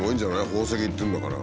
宝石っていうんだから。